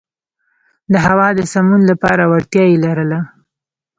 د هوا د سمون لپاره وړتیا یې لرله.